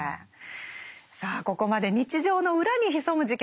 さあここまで日常の裏に潜む事件